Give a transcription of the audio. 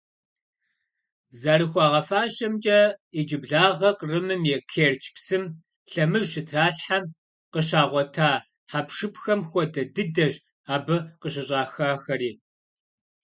ЗэрыхуагъэфащэмкӀэ, иджыблагъэ Кърымым и Керчь псым лъэмыж щытралъхьэм къыщагъуэта хьэпшыпхэм хуэдэ дыдэщ абы къыщыщӀахахэри.